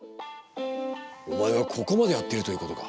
お前はここまでやっているということか。